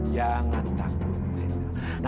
jangan takut brenda